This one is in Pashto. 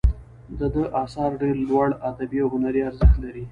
د ده آثار ډیر لوړ ادبي او هنري ارزښت لري.